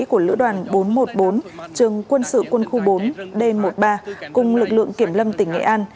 của lữ đoàn bốn trăm một mươi bốn trường quân sự quân khu bốn d một mươi ba cùng lực lượng kiểm lâm tỉnh nghệ an